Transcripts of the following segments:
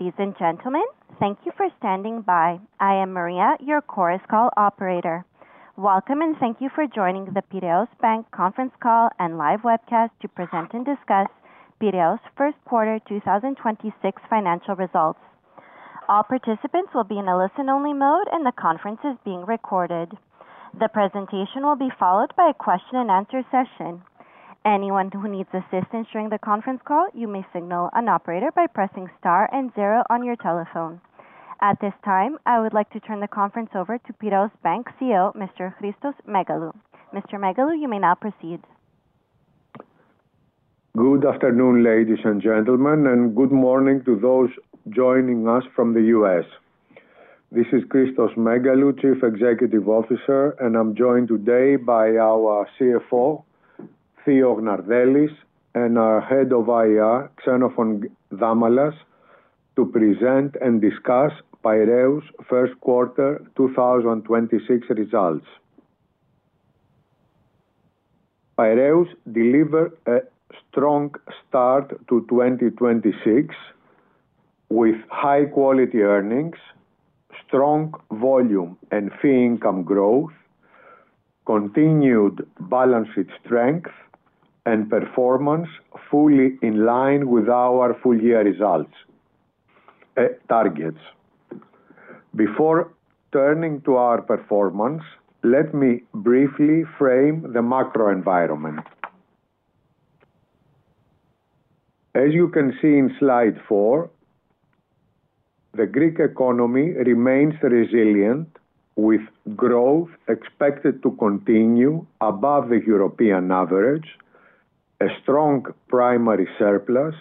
Ladies and gentlemen, thank you for standing by. I am Maria, your Chorus Call operator. Welcome, and thank you for joining the Piraeus Bank conference call and live webcast to present and discuss Piraeus first quarter 2026 financial results. All participants will be in a listen-only mode, and the conference is being recorded. The presentation will be followed by a question-and-answer session. Anyone who needs assistance during the conference call, you may signal an operator by pressing star and zero on your telephone. At this time, I would like to turn the conference over to Piraeus Bank CEO, Mr. Christos Megalou. Mr. Megalou, you may now proceed. Good afternoon, ladies and gentlemen, good morning to those joining us from the U.S. This is Christos Megalou, Chief Executive Officer, and I am joined today by our CFO, Theodore Gnardellis, and our Head of IR, Xenofon Damalas, to present and discuss Piraeus first quarter 2026 results. Piraeus delivered a strong start to 2026 with high quality earnings, strong volume and fee income growth, continued balance sheet strength and performance fully in line with our full year results targets. Before turning to our performance, let me briefly frame the macro environment. As you can see in slide four, the Greek economy remains resilient with growth expected to continue above the European average, a strong primary surplus,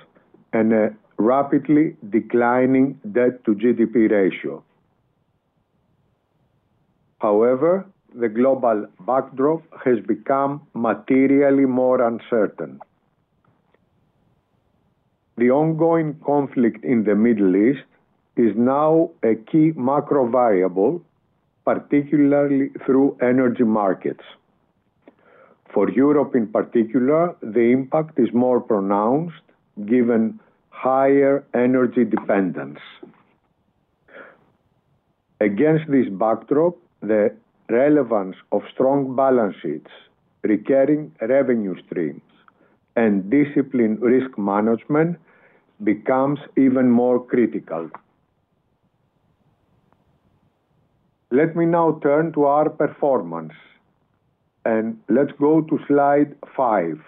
and a rapidly declining debt to GDP ratio. However, the global backdrop has become materially more uncertain. The ongoing conflict in the Middle East is now a key macro variable, particularly through energy markets. For Europe, in particular, the impact is more pronounced given higher energy dependence. Against this backdrop, the relevance of strong balance sheets, recurring revenue streams, and disciplined risk management becomes even more critical. Let me now turn to our performance. Let's go to slide five.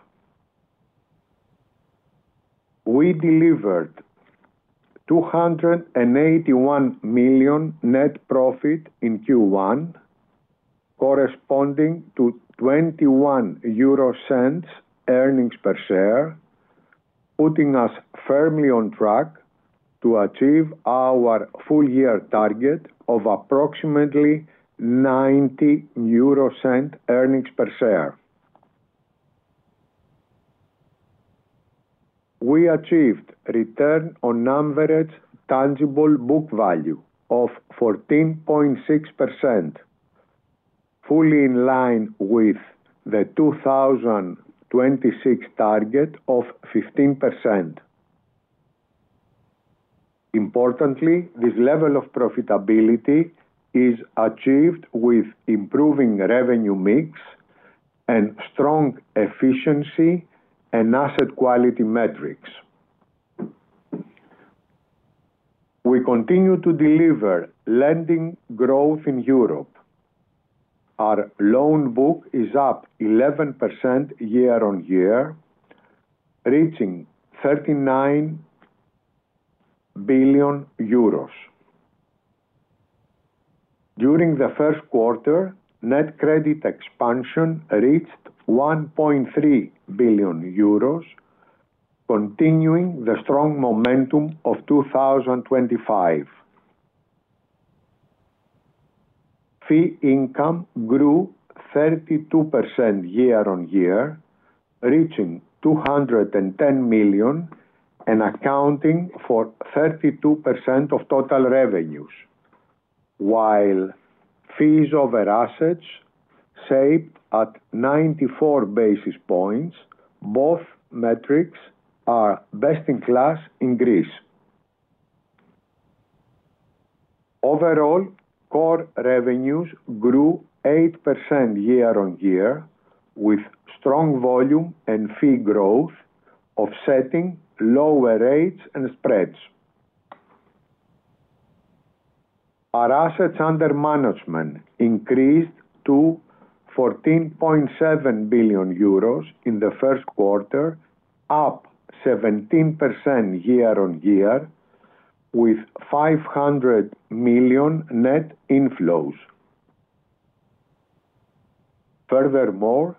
We delivered 281 million net profit in Q1, corresponding to 0.21 earnings per share, putting us firmly on track to achieve our full year target of approximately 0.90 earnings per share. We achieved return on average tangible book value of 14.6%, fully in line with the 2026 target of 15%. Importantly, this level of profitability is achieved with improving revenue mix and strong efficiency and asset quality metrics. We continue to deliver lending growth in Europe. Our loan book is up 11% year-on-year, reaching EUR 39 billion. During the first quarter, net credit expansion reached 1.3 billion euros, continuing the strong momentum of 2025. Fee income grew 32% year-on-year, reaching 210 million and accounting for 32% of total revenues. While fees over assets saved at 94 basis points, both metrics are best in class in Greece. Overall, core revenues grew 8% year-on-year with strong volume and fee growth, offsetting lower rates and spreads. Our assets under management increased to 14.7 billion euros in the first quarter, up 17% year-on-year with 500 million net inflows. Furthermore,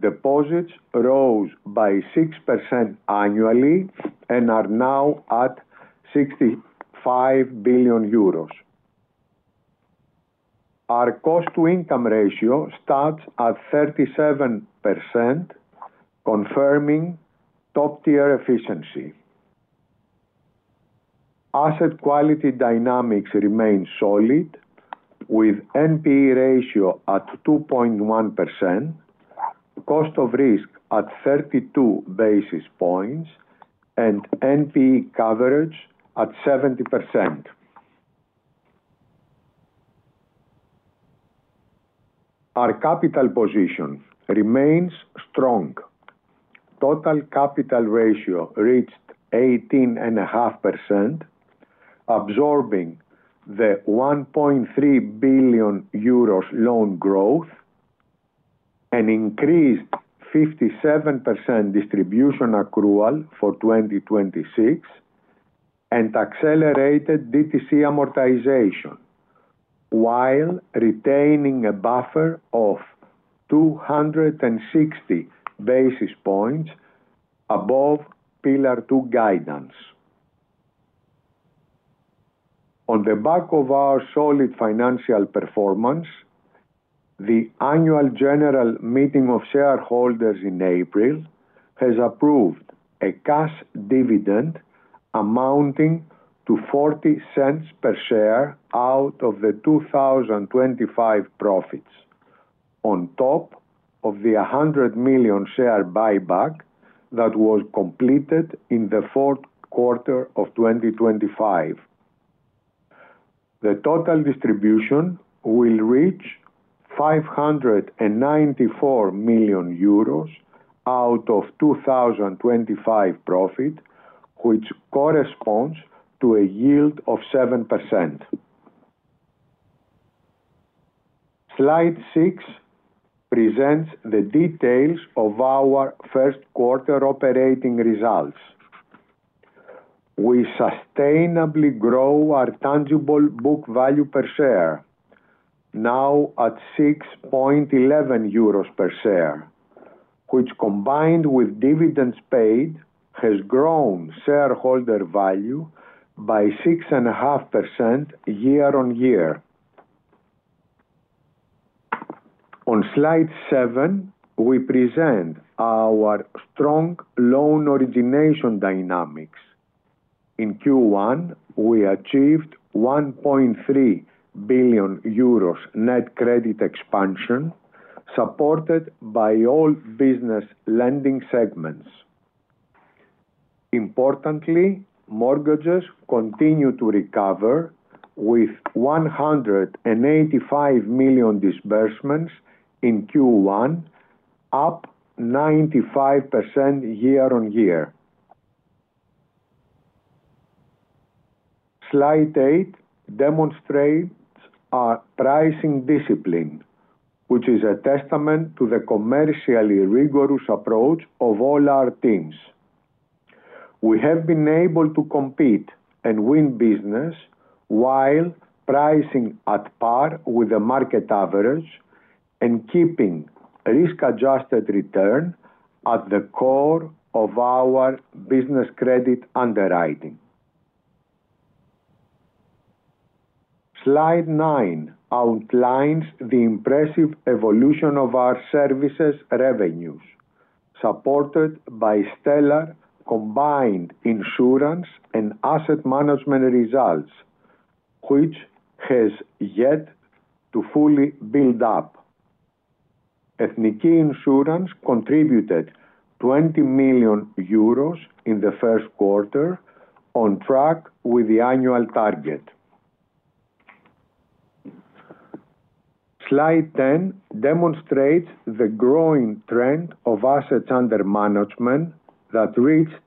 deposits rose by 6% annually and are now at 65 billion euros. Our cost to income ratio stands at 37%, confirming top-tier efficiency. Asset quality dynamics remain solid with NPE ratio at 2.1%. Cost of risk at 32 basis points and NPE coverage at 70%. Our capital position remains strong. Total capital ratio reached 18.5%, absorbing the 1.3 billion euros loan growth, an increased 57% distribution accrual for 2026, and accelerated DTC amortization, while retaining a buffer of 260 basis points above Pillar Two guidance. On the back of our solid financial performance, the annual general meeting of shareholders in April has approved a cash dividend amounting to 0.40 per share out of the 2025 profits, on top of the 100 million share buyback that was completed in the fourth quarter of 2025. The total distribution will reach 594 million euros out of 2025 profit, which corresponds to a yield of 7%. Slide six presents the details of our first quarter operating results. We sustainably grow our tangible book value per share, now at 6.11 euros per share, which combined with dividends paid, has grown shareholder value by 6.5% year-on-year. On slide seven, we present our strong loan origination dynamics. In Q1, we achieved 1.3 billion euros net credit expansion, supported by all business lending segments. Importantly, mortgages continue to recover with 185 million disbursements in Q1, up 95% year-on-year. Slide eight demonstrates our pricing discipline, which is a testament to the commercially rigorous approach of all our teams. We have been able to compete and win business while pricing at par with the market average and keeping risk-adjusted return at the core of our business credit underwriting. Slide nine outlines the impressive evolution of our services revenues, supported by stellar combined insurance and assets under management results, which has yet to fully build up. Ethniki Insurance contributed 20 million euros in the first quarter, on track with the annual target. Slide 10 demonstrates the growing trend of assets under management that reached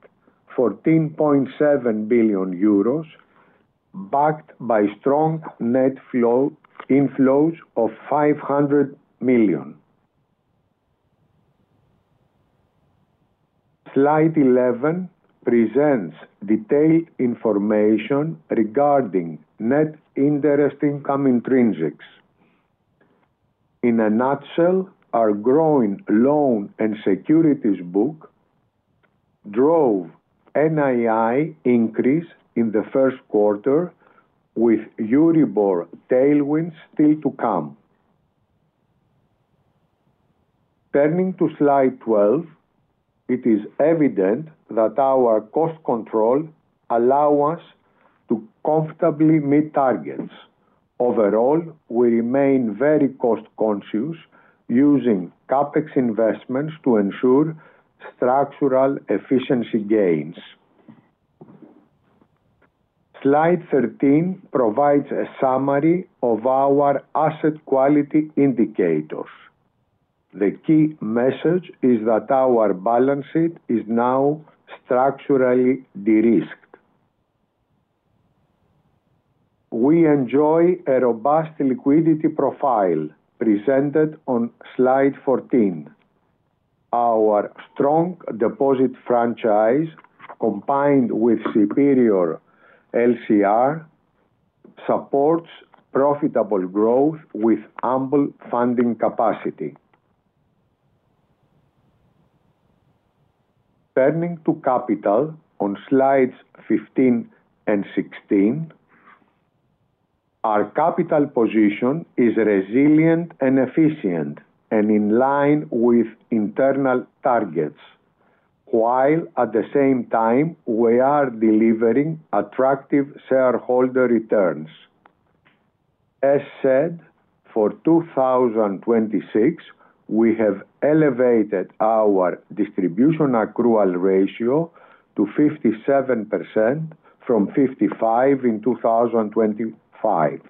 14.7 billion euros, backed by strong net flow inflows of 500 million. Slide 11 presents detailed information regarding net interest income intrinsics. In a nutshell, our growing loan and securities book drove NII increase in the first quarter with Euribor tailwinds still to come. Turning to slide 12, it is evident that our cost control allow us to comfortably meet targets. Overall, we remain very cost-conscious using CapEx investments to ensure structural efficiency gains. Slide 13 provides a summary of our asset quality indicators. The key message is that our balance sheet is now structurally de-risked. We enjoy a robust liquidity profile presented on slide 14. Our strong deposit franchise, combined with superior LCR, supports profitable growth with ample funding capacity. Turning to capital on slides 15 and 16, our capital position is resilient and efficient and in line with internal targets, while at the same time, we are delivering attractive shareholder returns. As said, for 2026, we have elevated our distribution accrual ratio to 57% from 55% in 2025.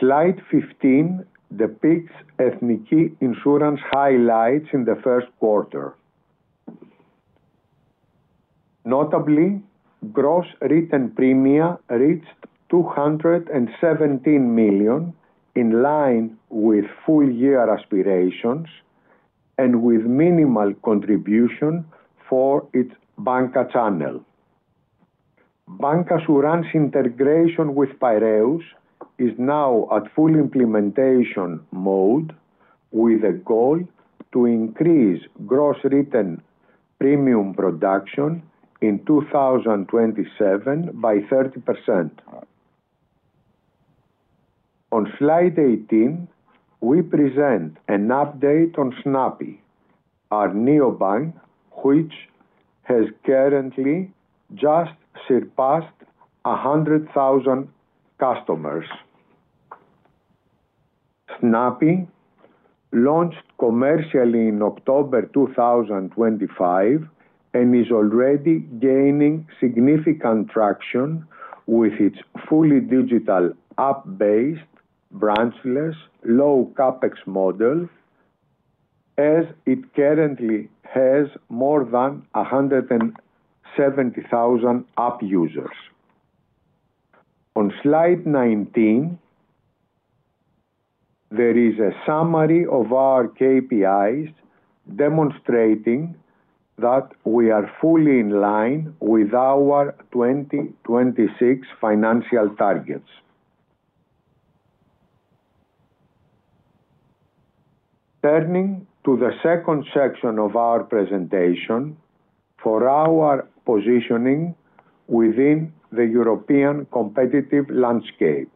Slide 15 depicts Ethniki Insurance highlights in the first quarter. Notably, gross written premia reached 217 million, in line with full year aspirations and with minimal contribution for its banca channel. Bancassurance integration with Piraeus is now at full implementation mode, with a goal to increase gross written premium production in 2027 by 30%. On slide 18, we present an update on Snappi, our neobank, which has currently just surpassed 100,000 customers. Snappi launched commercially in October 2025 and is already gaining significant traction with its fully digital app-based branchless low CapEx model, as it currently has more than 170,000 app users. On slide 19, there is a summary of our KPIs demonstrating that we are fully in line with our 2026 financial targets. Turning to the second section of our presentation for our positioning within the European competitive landscape.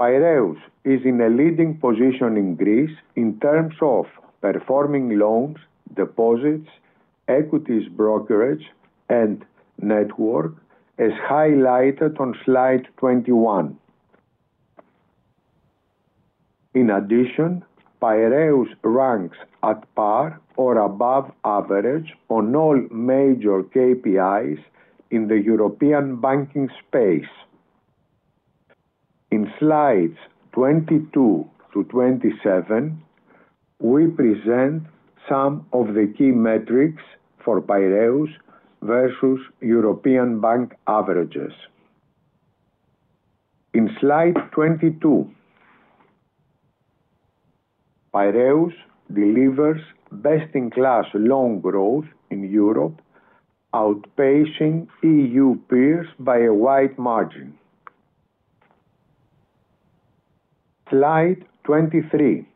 Piraeus is in a leading position in Greece in terms of performing loans, deposits, equities brokerage, and network, as highlighted on slide 21. In addition, Piraeus ranks at par or above average on all major KPIs in the European banking space. In slides 22-27, we present some of the key metrics for Piraeus versus European bank averages. In slide 22, Piraeus delivers best-in-class loan growth in Europe, outpacing EU peers by a wide margin. Slide 23,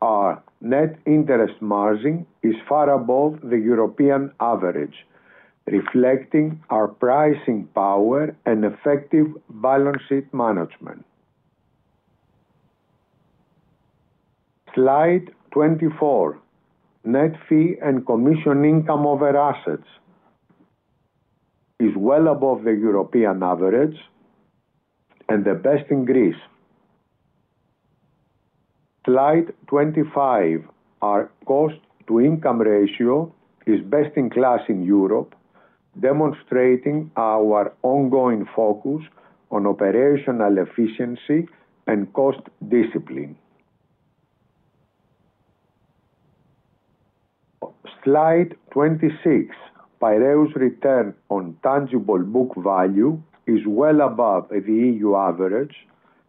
our net interest margin is far above the European average, reflecting our pricing power and effective balance sheet management. Slide 24, net fee and commission income over assets is well above the European average and the best in Greece. Slide 25, our cost-to-income ratio is best in class in Europe, demonstrating our ongoing focus on operational efficiency and cost discipline. Slide 26, Piraeus return on tangible book value is well above the EU average,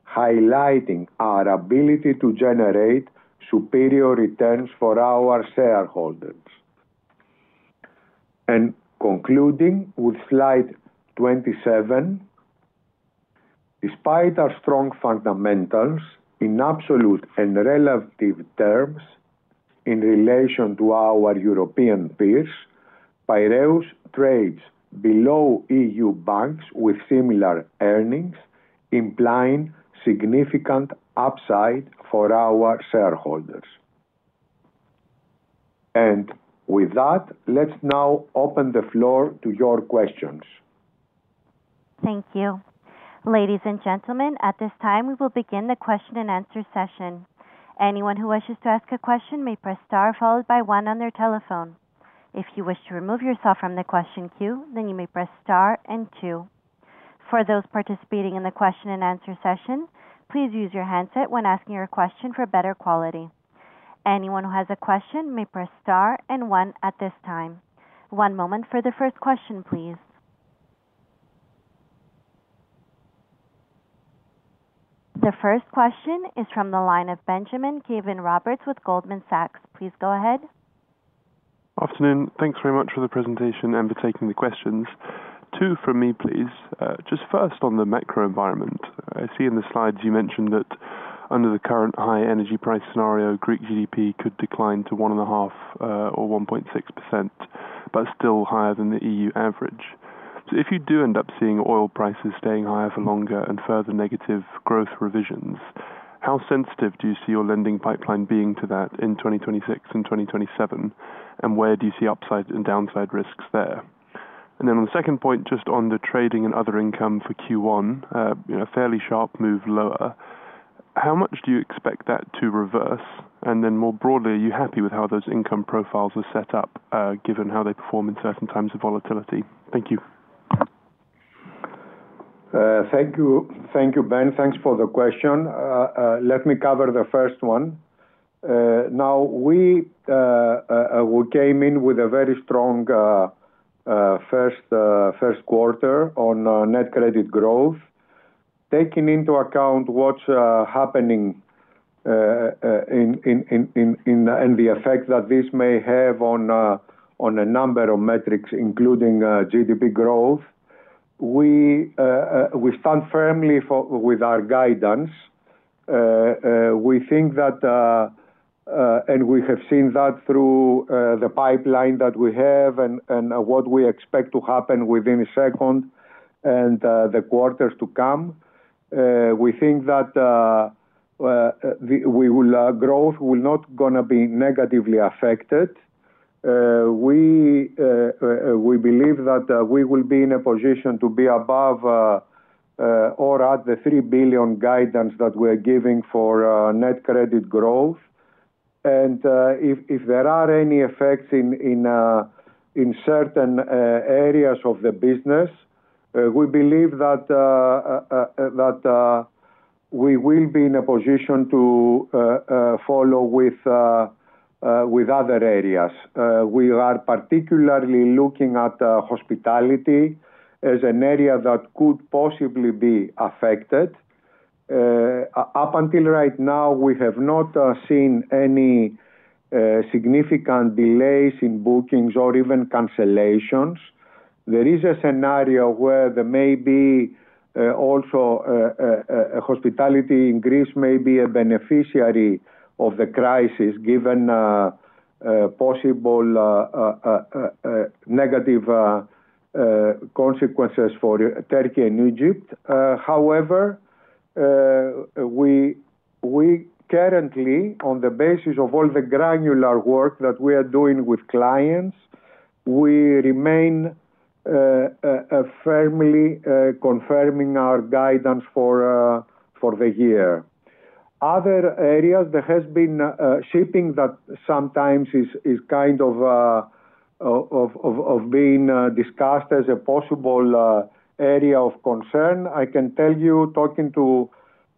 highlighting our ability to generate superior returns for our shareholders. Concluding with slide 27, despite our strong fundamentals in absolute and relative terms in relation to our European peers, Piraeus trades below EU banks with similar earnings, implying significant upside for our shareholders. With that, let's now open the floor to your questions. Thank you. Ladies and gentlemen, at this time, we will begin the question-and-answer session. Anyone who wishes to ask a question may press star followed by one on their telephone. If you wish to remove yourself from the question queue, then you may press star and two. For those participating in the question-and-answer session, please use your handset when asking your question for better quality. Anyone who has a question may press star and one at this time. One moment for the first question, please. The first question is from the line of Benjamin Caven-Roberts with Goldman Sachs. Please go ahead. Afternoon. Thanks very much for the presentation and for taking the questions. Two from me, please. Just first on the macro environment. I see in the slides you mentioned that under the current high energy price scenario, Greek GDP could decline to 1.5% or 1.6%, but still higher than the EU average. If you do end up seeing oil prices staying higher for longer and further negative growth revisions, how sensitive do you see your lending pipeline being to that in 2026 and 2027? Where do you see upside and downside risks there? On the second point, just on the trading and other income for Q1, you know, fairly sharp move lower. How much do you expect that to reverse? More broadly, are you happy with how those income profiles are set up, given how they perform in certain times of volatility? Thank you. Thank you. Thank you, Ben. Thanks for the question. Let me cover the first one. Now we came in with a very strong first quarter on net credit growth. Taking into account what's happening in and the effect that this may have on a number of metrics including GDP growth, we stand firmly for, with our guidance. We think that, and we have seen that through the pipeline that we have and what we expect to happen within second and the quarters to come. We think that growth will not gonna be negatively affected. We believe that we will be in a position to be above or at the 3 billion guidance that we're giving for net credit growth. If there are any effects in certain areas of the business, we believe that we will be in a position to follow with other areas. We are particularly looking at hospitality as an area that could possibly be affected. Up until right now, we have not seen any significant delays in bookings or even cancellations. There is a scenario where there may be also a hospitality in Greece may be a beneficiary of the crisis given possible negative consequences for Turkey and Egypt. However, we currently, on the basis of all the granular work that we are doing with clients, we remain firmly confirming our guidance for the year. Other areas, there has been shipping that sometimes is kind of being discussed as a possible area of concern. I can tell you, talking to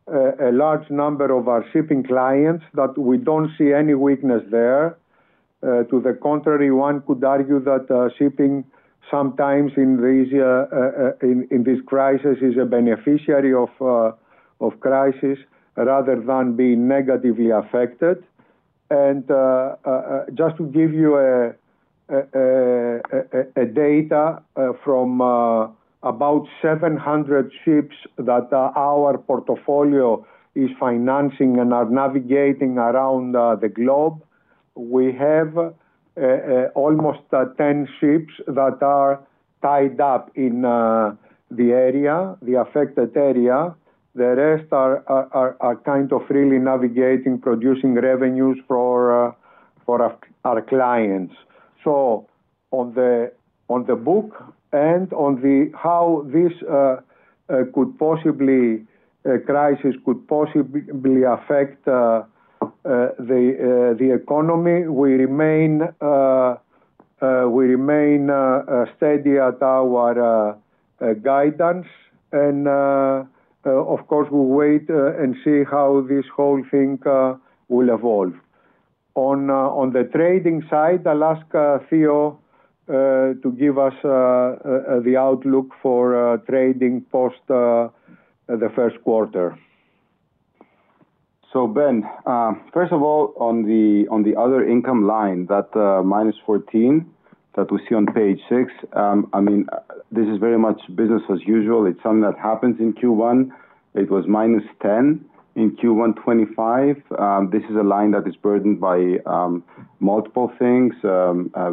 a large number of our shipping clients, that we don't see any weakness there. To the contrary, one could argue that shipping sometimes in these in this crisis is a beneficiary of crisis rather than being negatively affected. Just to give you a data from about 700 ships that our portfolio is financing and are navigating around the globe, we have almost 10 ships that are tied up in the area, the affected area. The rest are kind of really navigating, producing revenues for our clients. On the book and on the, how this could possibly crisis could possibly affect the economy, we remain steady at our guidance. Of course, we'll wait and see how this whole thing will evolve. On the trading side, I'll ask Theo to give us the outlook for trading post the first quarter. Ben, first of all, on the, on the other income line, that -14 million that we see on page six, this is very much business as usual. It's something that happens in Q1. It was -10 million in Q1 2025. This is a line that is burdened by multiple things,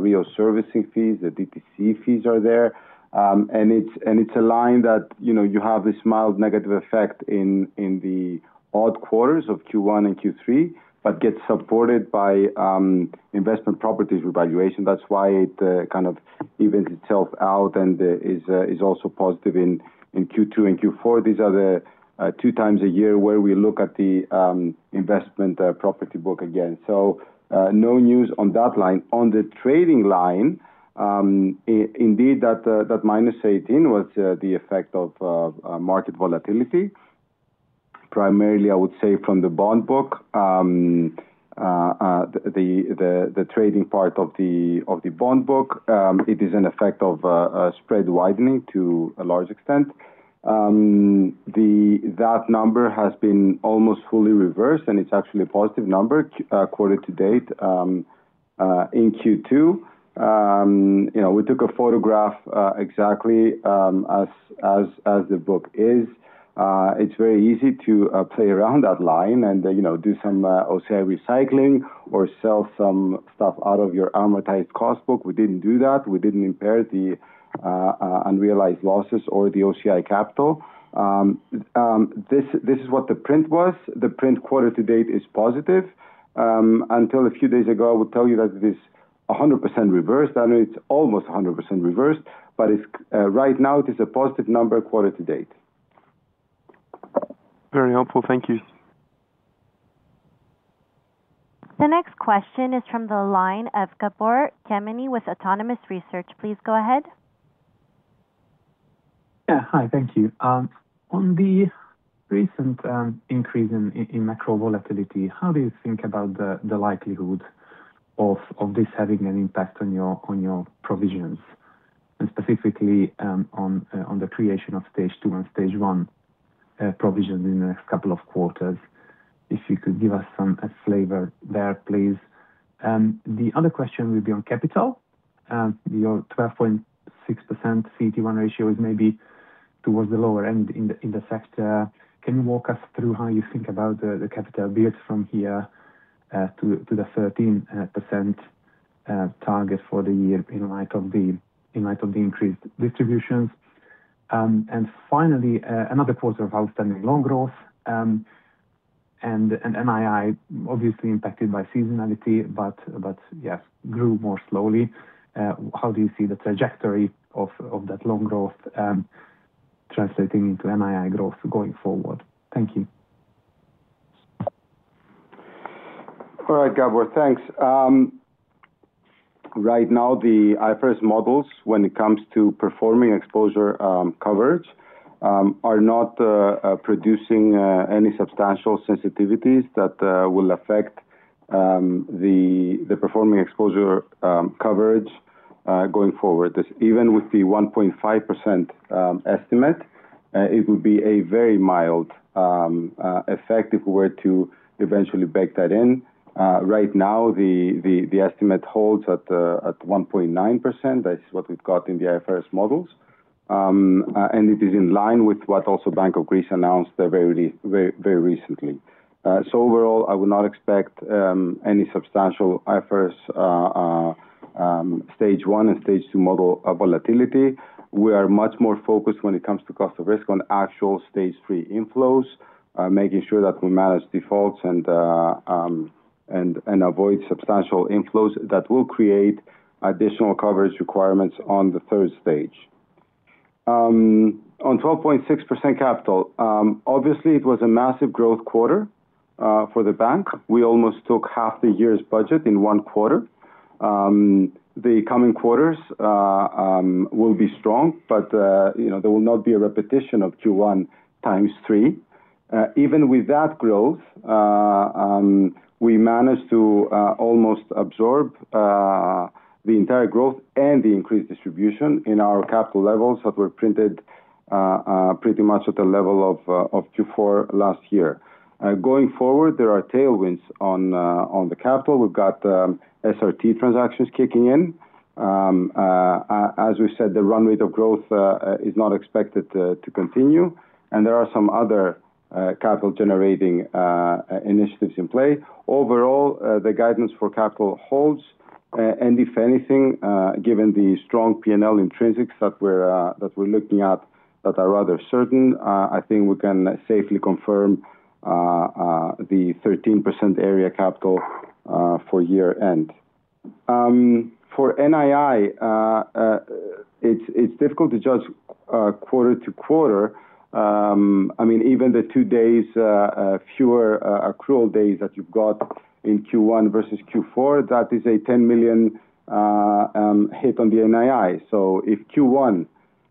real servicing fees, the DTC fees are there. And it's, and it's a line that you have this mild negative effect in the odd quarters of Q1 and Q3, but gets supported by investment properties revaluation. That's why it kind of evens itself out and is also positive in Q2 and Q4. These are the 2x a year where we look at the investment property book again. No news on that line. On the trading line, indeed, that -18 million was the effect of market volatility. Primarily, I would say from the bond book, the trading part of the bond book, it is an effect of spread widening to a large extent. That number has been almost fully reversed, and it's actually a positive number, quarter to date, in Q2. You know, we took a photograph exactly as the book is. It's very easy to play around that line and, you know, do some OCI recycling or sell some stuff out of your amortized cost book. We didn't do that. We didn't impair the unrealized losses or the OCI capital. This is what the print was. The print quarter-to-date is positive. Until a few days ago, I would tell you that 100% reversed. I know it's almost 100% reversed, but it's right now it is a positive number quarter to date. Very helpful. Thank you. The next question is from the line of Gabor Kemeny with Autonomous Research. Please go ahead. Yeah. Hi, thank you. On the recent increase in macro volatility, how do you think about the likelihood of this having an impact on your provisions? Specifically, on the creation of stage 2 and stage 1 provision in the next couple of quarters. If you could give us a flavor there, please. The other question will be on capital. Your 12.6% CET1 ratio is maybe towards the lower end in the sector. Can you walk us through how you think about the capital builds from here to the 13% target for the year in light of the increased distributions? Finally, another quarter of outstanding loan growth, and NII obviously impacted by seasonality, but yes, grew more slowly. How do you see the trajectory of that loan growth translating into NII growth going forward? Thank you. All right, Gabor. Thanks. Right now, the IFRS models, when it comes to performing exposure, coverage, are not producing any substantial sensitivities that will affect the performing exposure, coverage, going forward. Even with the 1.5% estimate, it would be a very mild effect if we were to eventually bake that in. Right now, the estimate holds at 1.9%. That is what we've got in the IFRS models. And it is in line with what also Bank of Greece announced very recently. Overall, I would not expect any substantial IFRS stage 1 and stage 2 model volatility. We are much more focused when it comes to cost of risk on actual stage 3 inflows, making sure that we manage defaults and avoid substantial inflows that will create additional coverage requirements on the third stage. On 12.6% capital, obviously, it was a massive growth quarter for the bank. We almost took half the year's budget in one quarter. The coming quarters will be strong, you know, there will not be a repetition of Q1 3x. Even with that growth, we managed to almost absorb the entire growth and the increased distribution in our capital levels that were printed pretty much at the level of Q4 last year. Going forward, there are tailwinds on the capital. We've got SRT transactions kicking in. As we said, the runway of growth is not expected to continue, and there are some other capital-generating initiatives in play. Overall, the guidance for capital holds. If anything, given the strong P&L intrinsics that we're looking at that are rather certain, I think we can safely confirm the 13% area capital for year-end. For NII, it's difficult to judge quarter to quarter. I mean, even the two days fewer accrual days that you've got in Q1 versus Q4, that is a 10 million hit on the NII. If Q1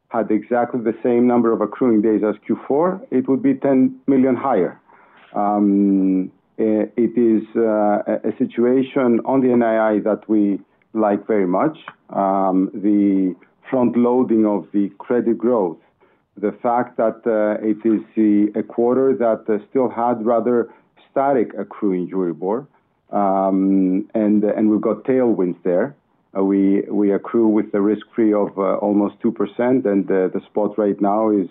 had exactly the same number of accruing days as Q4, it would be 10 million higher. It is a situation on the NII that we like very much. The frontloading of the credit growth, the fact that it is a quarter that still had rather static accruing, we've got tailwinds there. We accrue with the risk-free of almost 2%, and the spot right now is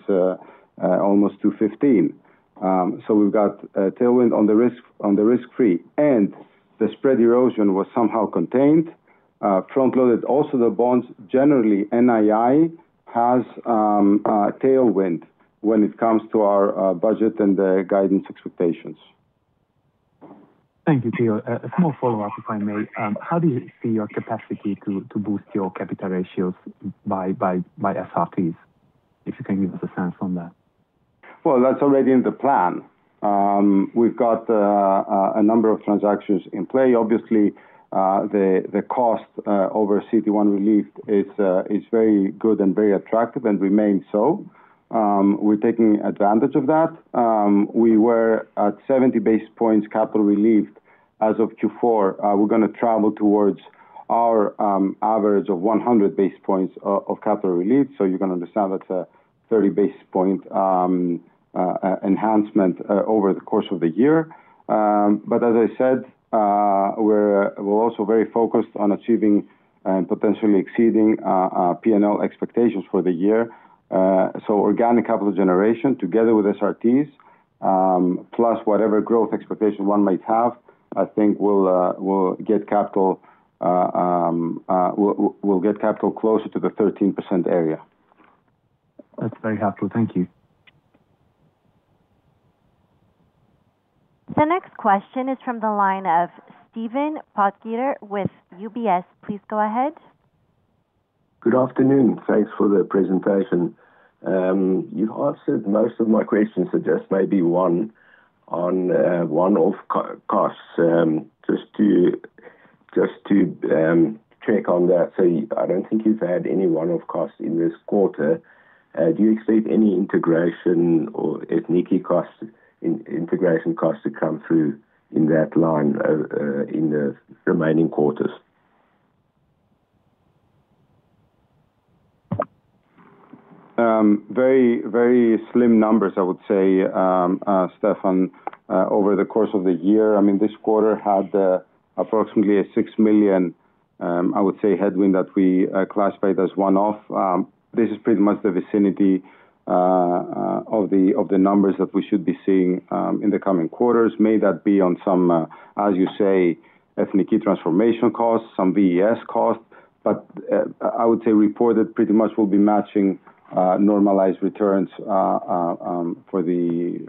almost 2.15%. We've got a tailwind on the risk, on the risk-free. The spread erosion was somehow contained, frontloaded. Also, the bonds, generally, NII has a tailwind when it comes to our budget and the guidance expectations. Thank you, Theo. A small follow-up, if I may. How do you see your capacity to boost your capital ratios by SRTs? If you can give us a sense on that. Well, that's already in the plan. We've got a number of transactions in play. Obviously, the cost over CET1 relief is very good and very attractive and remains so. We're taking advantage of that. We were at 70 basis points capital relief as of Q4. We're gonna travel towards our average of 100 basis points of capital relief, so you can understand that's a 30 basis point enhancement over the course of the year. As I said, we're also very focused on achieving and potentially exceeding P&L expectations for the year. Organic capital generation together with SRTs, plus whatever growth expectation one might have, I think we'll get capital closer to the 13% area. That's very helpful. Thank you. The next question is from the line of Stephan Potgieter with UBS. Please go ahead. Good afternoon. Thanks for the presentation. You answered most of my questions, so just maybe one-on one-off costs. Just to check on that. I don't think you've had any one-off costs in this quarter. Do you expect any integration or Ethniki costs, integration costs to come through in that line in the remaining quarters? Very, very slim numbers, I would say, Stephan, over the course of the year. I mean, this quarter had approximately a 6 million, I would say, headwind that we classified as one-off. This is pretty much the vicinity of the, of the numbers that we should be seeing in the coming quarters. May that be on some, as you say, Ethniki transformation costs, some VES costs. I would say we reported pretty much will be matching normalized returns for the,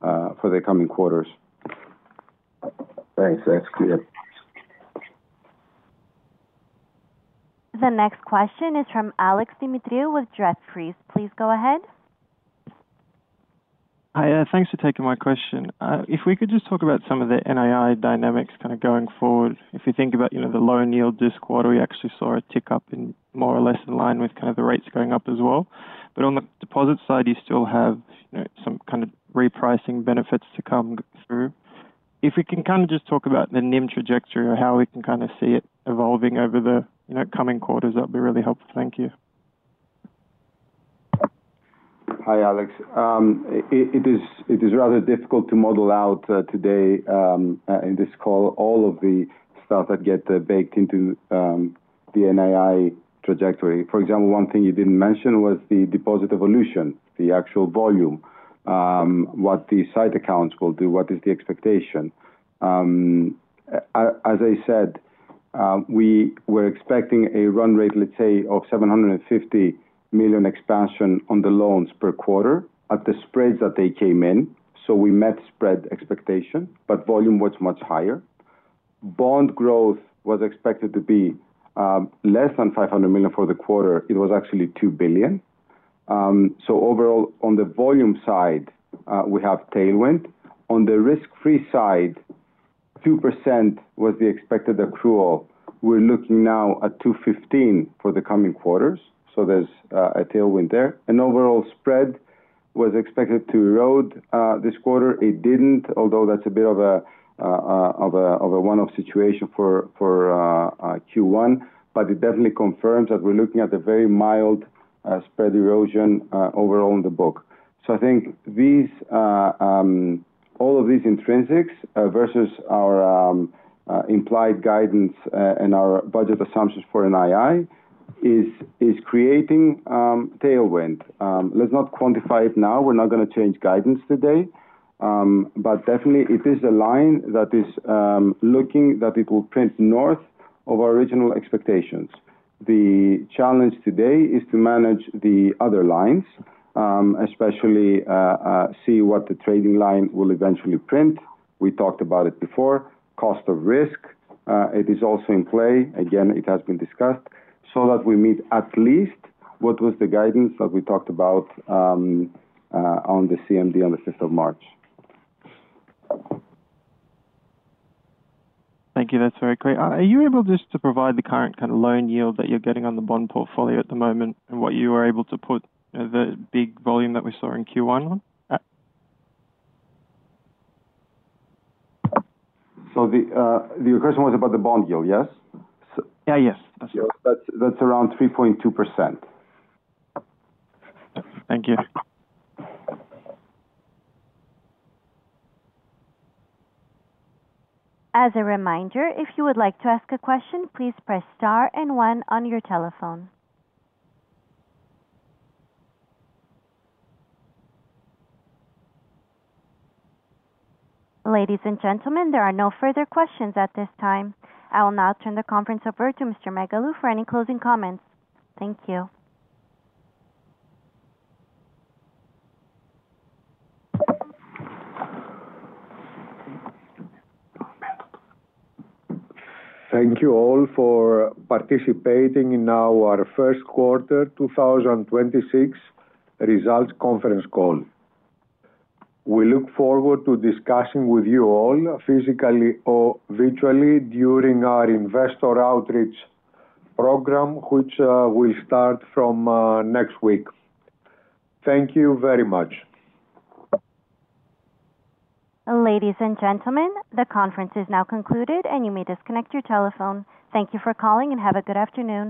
for the coming quarters. Thanks. That's clear. The next question is from Alex Demetriou with Jefferies. Please go ahead. Hi, thanks for taking my question. If we could just talk about some of the NII dynamics kinda going forward. If you think about, you know, the low yield this quarter, we actually saw a tick up in more or less in line with kind of the rates going up as well. On the deposit side, you still have, you know, some kind of repricing benefits to come through. If we can kind of just talk about the NIM trajectory or how we can kinda see it evolving over the, you know, coming quarters, that'd be really helpful. Thank you. Hi, Alex. It is rather difficult to model out today in this call all of the stuff that get baked into the NII trajectory. For example, one thing you didn't mention was the deposit evolution, the actual volume, what the side accounts will do, what is the expectation. As I said, we were expecting a run rate, let's say, of 750 million expansion on the loans per quarter at the spreads that they came in. We met spread expectation, but volume was much higher. Bond growth was expected to be less than 500 million for the quarter. It was actually 2 billion. Overall, on the volume side, we have tailwind. On the risk-free side, 2% was the expected accrual. We're looking now at 2.15% for the coming quarters. There's a tailwind there. Overall spread was expected to erode this quarter. It didn't, although that's a bit of a one-off situation for Q1. It definitely confirms that we're looking at a very mild spread erosion overall in the book. I think these all of these intrinsics versus our implied guidance and our budget assumptions for NII is creating tailwind. Let's not quantify it now. We're not gonna change guidance today. Definitely it is a line that is looking that it will print north of our original expectations. The challenge today is to manage the other lines, especially see what the trading line will eventually print. We talked about it before. Cost of risk, it is also in play, again, it has been discussed, so that we meet at least what was the guidance that we talked about, on the CMD on the 5th of March. Thank you. That's very clear. Are you able just to provide the current kind of loan yield that you're getting on the bond portfolio at the moment and what you were able to put the big volume that we saw in Q1 on? The question was about the bond yield, yes? Yeah, yes. That's around 3.2%. Thank you. As a reminder, if you would like to ask a question, please press star and one on your telephone. Ladies and gentlemen, there are no further questions at this time. I will now turn the conference over to Mr. Megalou for any closing comments. Thank you. Thank you all for participating in our first quarter 2026 results conference call. We look forward to discussing with you all physically or virtually during our investor outreach program, which will start from next week. Thank you very much. Ladies and gentlemen, the conference is now concluded, and you may disconnect your telephone. Thank you for calling, and have a good afternoon.